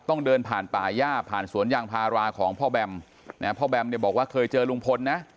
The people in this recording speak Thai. ต้องเดินผ่านป่าย่าผ่านสวนยางพาราของพ่อแบมนะพ่อแบมเนี่ยบอกว่าเคยเจอลุงพลนะ